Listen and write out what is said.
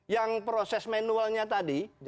yang proses manualnya tadi